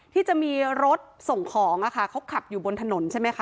ที่จะมีรถส่งของเขาขับอยู่บนถนนใช่ไหมคะ